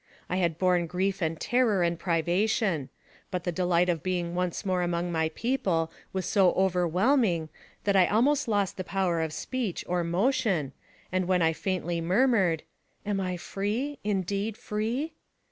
I had borne grief and terror and privation ; but the delight of being once more among my people was so overpowering that I almost lost the power of speech, or motion, and when I faintly murmured, "Am I free, indeed free?"